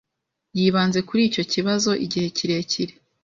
Yibanze kuri icyo kibazo igihe kirekire.